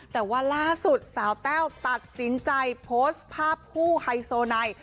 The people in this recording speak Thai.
แต่ว่าล่าสุดสาวแต้วตัดสินใจโพสต์ภาพคู่ไฮโซไน